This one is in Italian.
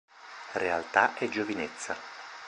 Realtà e giovinezza.